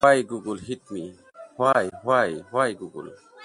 The eXspot system enabled the visitor to receive information about specific exhibits.